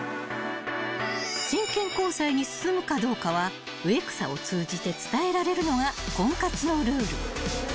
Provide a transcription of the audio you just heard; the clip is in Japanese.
［真剣交際に進むかどうかは植草を通じて伝えられるのが婚活のルール］